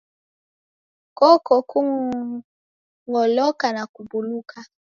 Koko kung'oloka na kubuluka.